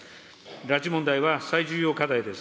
拉致問題は最重要課題です。